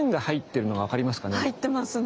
入ってますね。